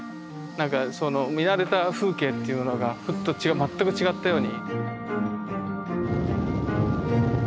何かその見慣れた風景っていうのがふっと違う全く違ったように。